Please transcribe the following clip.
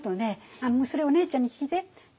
「ああもうそれはお姉ちゃんに聞いて」って。